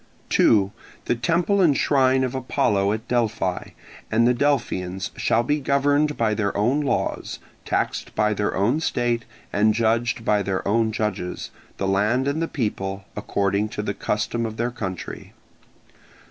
2. The temple and shrine of Apollo at Delphi and the Delphians shall be governed by their own laws, taxed by their own state, and judged by their own judges, the land and the people, according to the custom of their country.